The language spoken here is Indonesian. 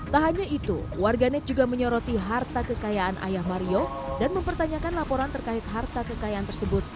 tak hanya itu warganet juga menyoroti harta kekayaan ayah mario dan mempertanyakan laporan terkait harta kekayaan tersebut